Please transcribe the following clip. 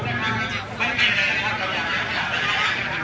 เพื่อไม่ให้มวลชนเข้าไปด้านในแล้วก็เอารวดหลามที่มีการเก็บเอามาไว้ด้านข้างตรงนี้ด้วยนะครับ